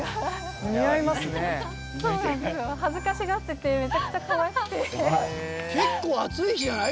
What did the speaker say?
恥ずかしがっててめちゃくちゃかわいくて結構暑い日じゃない？